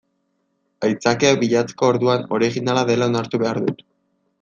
Aitzakiak bilatzeko orduan originala dela onartu behar dut.